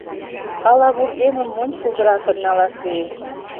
Ала вургемым монь шулдыракын налаш лиеш.